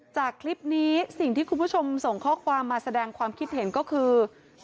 จากคลิปนี้สิ่งที่คุณผู้ชมส่งข้อความมาแสดงความคิดเห็นก็คือ